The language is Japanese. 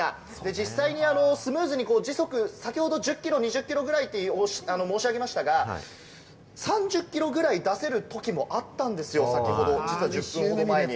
実際にスムーズに時速、先ほど１０キロ２０キロくらいと申しましたが、３０キロくらい出せる時もあったんですよ、先ほど、１０分ほど前に。